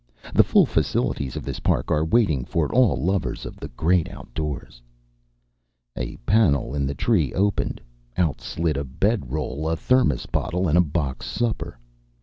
The full facilities of this park are waiting for all lovers of the great outdoors." A panel in the tree opened. Out slid a bedroll, a Thermos bottle, and a box supper.